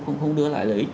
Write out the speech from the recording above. không đưa lại lợi ích